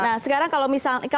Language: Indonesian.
nah sekarang kalau misalnya